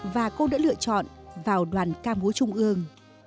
và cô đã lựa chọn vào đoàn ca mối trung ương